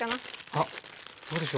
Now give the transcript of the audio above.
あっどうでしょう？